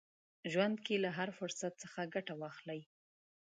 ژوند کې له هر فرصت څخه ګټه واخلئ.